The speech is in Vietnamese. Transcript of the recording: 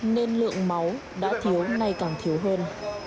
nên lượng máu đã thiếu nay càng thiếu hơn